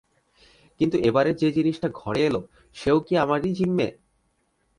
কিন্তু এবারে যে-জিনিসটা ঘরে এল সেও কি আমারই জিম্মে?